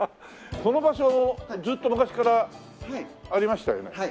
この場所ずっと昔からありましたよね？